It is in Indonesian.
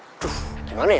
aduh gimana ya